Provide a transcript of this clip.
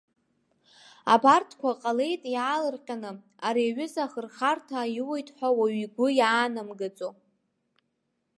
Абарҭқәа ҟалеит иаалырҟьаны, ари аҩыза ахырхарҭа аиуеит ҳәа уаҩы игәы иаанамгаӡо.